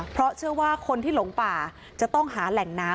เพราะเชื่อว่าคนที่หลงป่าจะต้องหาแหล่งน้ำ